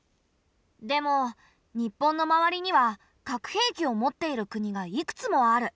でも日本の周りには核兵器を持っている国がいくつもある。